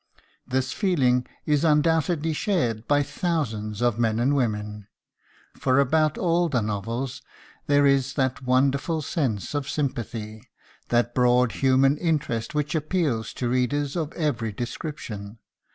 This feeling is undoubtedly shared by thousands of men and women, for about all the novels there is that wonderful sense of sympathy, that broad human interest which appeals to readers of every description.